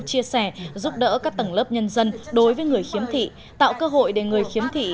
chia sẻ giúp đỡ các tầng lớp nhân dân đối với người khiếm thị tạo cơ hội để người khiếm thị